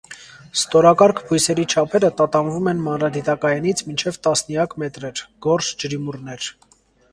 Ստորակարգ բույսերի չափերը տատանվում են մանրադիտակայինից մինչև տասնյակ մետրեր (գորշ ջրիմուռներ)։